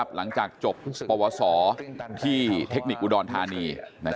หลังจากจบปวสอที่เทคนิคอุดรธานี